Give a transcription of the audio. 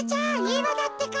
いまだってか。